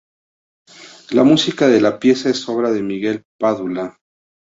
La música de la pieza es obra de Miguel Padula.